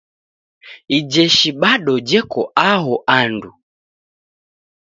Ijeshi bado jeko aho andu.